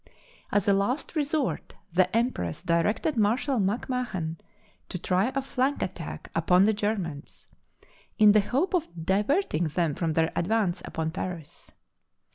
As a last resort the empress directed Marshal MacMahon to try a flank attack upon the Germans, in the hope of diverting them from their advance upon Paris.